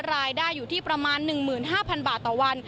รายได้อยู่ที่ประมาณ๑๕๐๐๐บาทต่อวัน